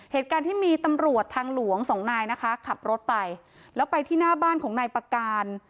เหตุการณ์ที่มีตำรวจทางหลวงสองนายนะคะขับรถไปแล้วไปที่หน้าบ้านของนายประการ